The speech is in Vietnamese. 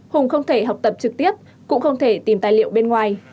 hùng không thể học tập trực tiếp cũng không thể tìm tài liệu bên ngoài